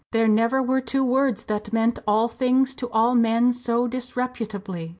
There never were two words that meant all things to all men so disreputably!"